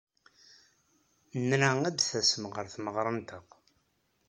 Nra ad d-tasem ɣer tmeɣra-nteɣ.